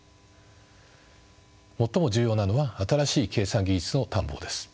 最も重要なのは新しい計算技術の探訪です。